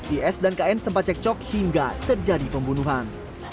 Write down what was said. is dan kn sempat cek cok hingga terjadi pembunuhan